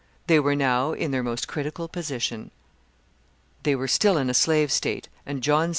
They were now in their most critical position. They were still in a slave state, and John C.